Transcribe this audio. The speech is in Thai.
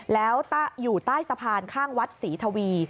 แล้วอยู่ใต้สะพานข้างวัดศรีทวี